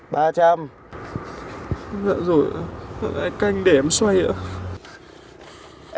dạ rồi anh để em xoay ạ